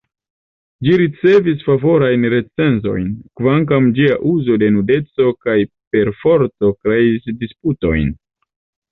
Ĝi ricevis favorajn recenzojn, kvankam ĝia uzo de nudeco kaj perforto kreis disputojn.